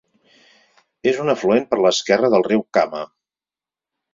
És un afluent per l'esquerra del riu Kama.